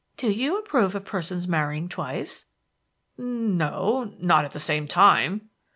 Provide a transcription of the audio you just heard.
Do you approve of persons marrying twice?" "N o, not at the same time."